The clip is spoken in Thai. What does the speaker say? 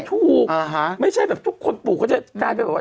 ถูกไม่ใช่แบบทุกคนปลูกก็จะได้แบบว่า